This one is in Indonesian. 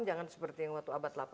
jangan seperti waktu abad delapan belas